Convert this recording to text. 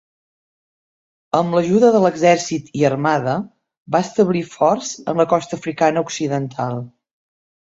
Amb l'ajuda de l'exèrcit i armada, va establir forts en la costa africana occidental.